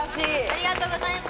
ありがとうございます。